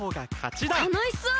たのしそう！